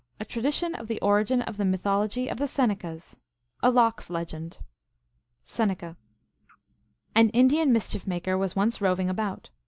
A Tradition of the Origin of the Mythology of the Senecas. A Lox Legend. (Seneca.) An Indian mischief maker was once roving about.